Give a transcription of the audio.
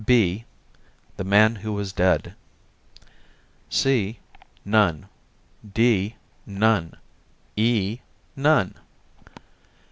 B "The Man Who Was Dead." C None. D None. E None.